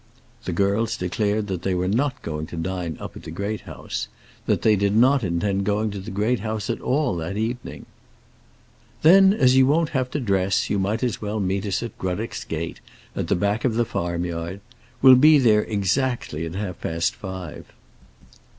The girls declared that they were not going to dine up at the Great House, that they did not intend going to the Great House at all that evening. "Then, as you won't have to dress, you might as well meet us at Gruddock's gate, at the back of the farmyard. We'll be there exactly at half past five."